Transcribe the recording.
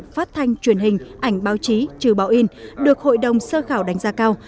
phát thanh truyền hình ảnh báo chí trừ báo in được hội đồng sơ khảo đánh giá cao